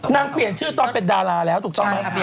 เปลี่ยนชื่อตอนเป็นดาราแล้วถูกต้องไหม